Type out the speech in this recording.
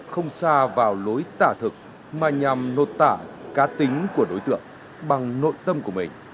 không xa vào lối tả thực mà nhằm nụt tả cá tính của đối tượng bằng nội tâm của mình